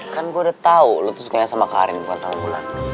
kan gue udah tau lu tuh sukanya sama karin bukan sama bulan